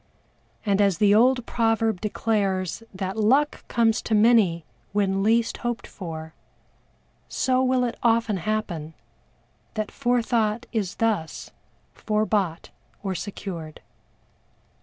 And as the old proverb declares that luck comes to many when least hoped for, so will it often happen that forethought is thus fore bought or secured.